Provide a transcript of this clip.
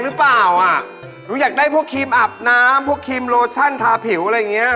หนูอยากทองได้พวกครีมอับน้ำพวกครีมโลชันทาผิวอะไรอย่างนี้